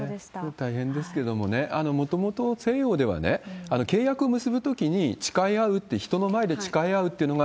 大変ですけどもね、もともと西洋では、契約を結ぶときに誓い合うって、人の前で誓い合うっていうのが、